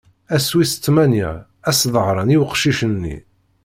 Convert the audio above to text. Ass wis tmanya, ad s-sḍehren i uqcic-nni.